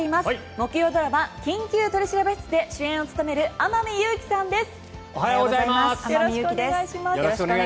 木曜ドラマ「緊急取調室」で主演を務める天海祐希さんです。